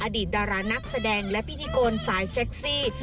อดีตดารานักแสดงและพิธีกรสายเซ็กซี่